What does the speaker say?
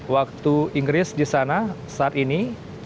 waktu inggris disana saat ini